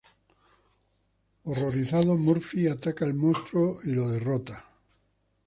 Horrorizado, Murphy ataca al monstruo y lo derrota.